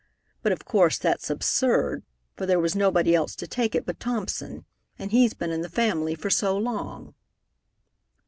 But of course that's absurd, for there was nobody else to take it but Thompson, and he's been in the family for so long."